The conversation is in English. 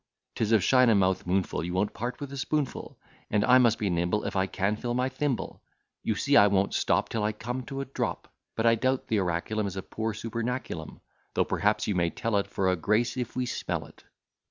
'Tis of shine a mouth moon ful, you won't part with a spoonful, And I must be nimble, if I can fill my thimble, You see I won't stop, till I come to a drop; But I doubt the oraculum, is a poor supernaculum; Though perhaps you may tell it, for a grace if we smell it.